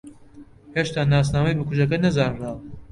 ھێشتا ناسنامەی بکوژەکە نەزانراوە.